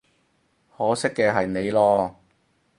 可惜嘅係你囉